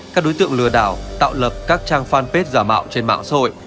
các đối tượng lừa đảo tạo lập các trang fanpage giả mạo trên mạng xôi